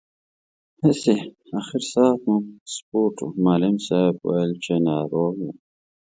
هسې، اخر ساعت مو سپورټ و، معلم صاحب ویل چې ناروغ یم.